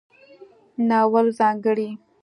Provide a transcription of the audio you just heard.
د ناول ځانګړنې